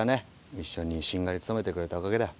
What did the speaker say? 一緒にしんがり務めてくれたおかげだよ。